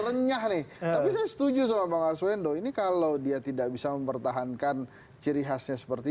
renyah nih setuju sama asuendo ini kalau dia tidak bisa mempertahankan ciri khasnya seperti